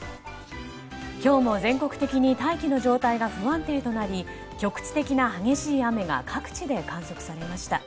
今日も全国的に大気の状態が不安定となり局地的な激しい雨が各地で観測されました。